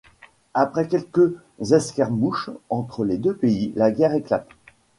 Après quelques escarmouches entre les deux pays, la guerre éclate.